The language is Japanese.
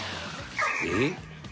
「えっ？」